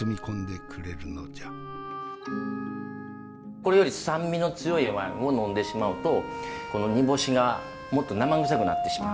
これより酸味の強いワインを呑んでしまうとこの煮干しがもっと生臭くなってしまう。